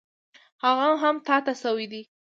هغه هم تا ته شوی و.